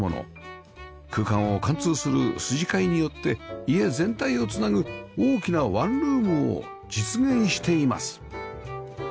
空間を貫通する筋交いによって家全体を繋ぐ大きなワンルームを実現しています